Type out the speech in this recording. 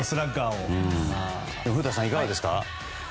古田さん、いかがですか？